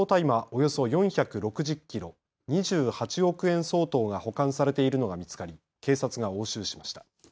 およそ４６０キロ、２８億円相当が保管されているのが見つかり警察が押収しました。